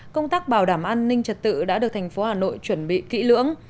công tác bảo đảm an ninh trật tự đã được thành phố hà nội chuẩn bị kỹ lưỡng